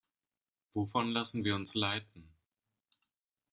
Wovon lassen wir uns leiten?